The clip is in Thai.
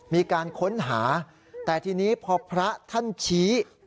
มีการค้นหาแต่ทีนี้พอพระท่านชี้